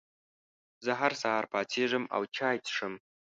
زه هر سهار پاڅېږم او چای څښم.